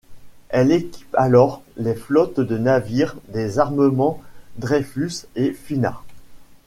Elle équipe alors les flottes de navire des armements Dreyfus et Fina.